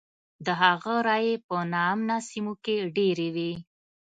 د هغه رایې په نا امنه سیمو کې ډېرې وې.